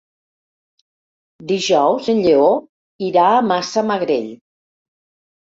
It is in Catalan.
Dijous en Lleó irà a Massamagrell.